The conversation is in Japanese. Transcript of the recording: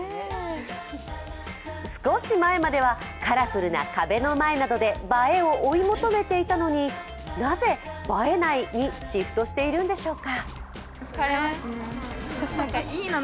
少し前までは、カラフルな壁の前などで映えを追い求めていたのになぜ、「映えない」にシフトしているんでしょうか。